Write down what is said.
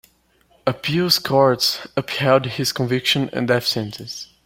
Appeals courts upheld his conviction and death sentence.